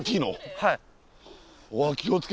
はい。